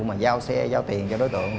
mà giao xe giao tiền cho đối tượng